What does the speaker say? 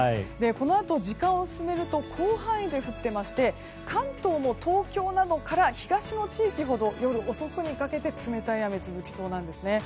このあと時間を進めると広範囲で降っていまして関東も東京などから東の地域ほど夜遅くにかけて冷たい雨が続きそうなんですね。